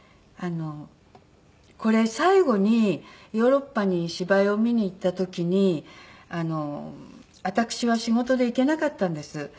これ最後にヨーロッパに芝居を見に行った時に私は仕事で行けなかったんです。